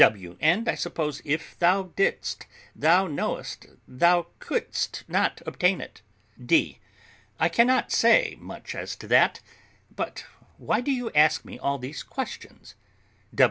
W. And, I suppose, if thou didst, thou knowest thou couldst not obtain it. D. I cannot say much as to that; but why do you ask me all these questions?